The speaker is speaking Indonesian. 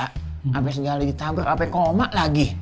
sampai segala lagi tabur sampai komak lagi